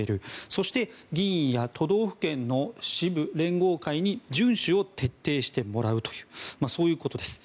そして、議員や都道府県の支部連合会に順守を徹底してもらうというそういうことです。